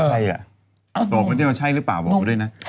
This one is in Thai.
บอกไม่ได้ว่าใช่รึเปล่าบอกก็ได้นะ